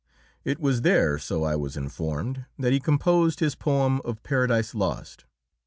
It was there, so I was informed, that he composed his poem of "Paradise Lost."